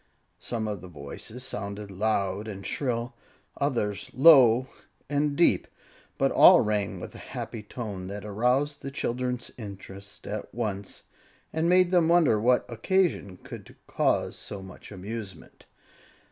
Some of the voices sounded loud and shrill, others low and deep, but all rang with a happy tone that aroused the children's interest at once, and made them wonder what occasion could cause so much amusement.